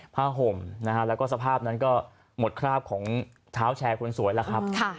ห่มนะฮะแล้วก็สภาพนั้นก็หมดคราบของเท้าแชร์คนสวยแล้วครับ